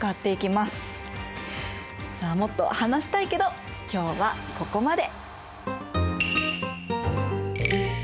もっと話したいけど今日はここまで。